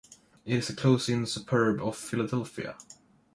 It is a close-in suburb of Philadelphia.